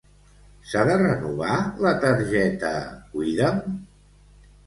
S'ha de renovar la targeta Cuida'm?